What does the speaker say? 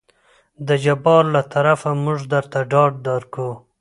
د جبار له طرفه موږ درته ډاډ درکو.